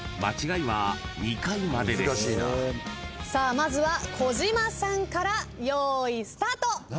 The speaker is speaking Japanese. まずは児嶋さんからスタート。